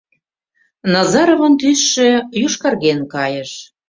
Назаровын тӱсшӧ йошкарген кайыш.